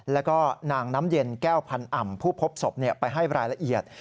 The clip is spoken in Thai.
แล้วก็นางน้ำเย็นแก้วพันอ่ำผู้พบศพไปให้รายละเอียด